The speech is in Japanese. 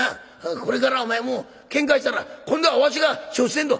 これからお前もうケンカしたら今度はわしが承知せんど」。